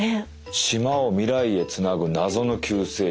「島を未来へつなぐ謎の救世主」。